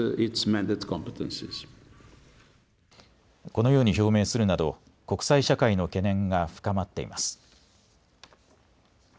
このように表明するなど国際社会の懸念が深まっています。